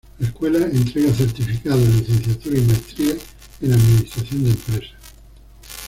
La escuela entrega Certificados, Licenciatura y Maestría en Administración de Empresas.